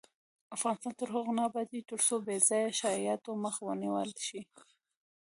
افغانستان تر هغو نه ابادیږي، ترڅو بې ځایه شایعاتو مخه ونیول نشي.